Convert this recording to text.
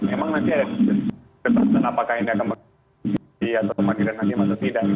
memang nanti ada kesalahan apakah ini akan menjadi keadilan atau tidak